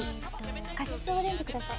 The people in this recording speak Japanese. カシスオレンジ下さい。